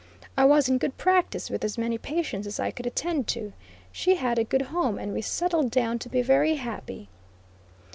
I was in good practice with as many patients as I could attend to; she had a good home and we settled down to be very happy.